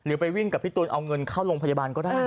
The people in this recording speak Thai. ไปวิ่งกับพี่ตูนเอาเงินเข้าโรงพยาบาลก็ได้